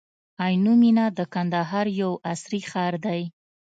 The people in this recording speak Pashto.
عینو مېنه د کندهار یو عصري ښار دی.